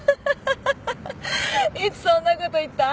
いつそんなこと言った？